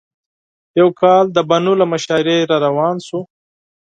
یو کال د بنو له مشاعرې راروان شوو.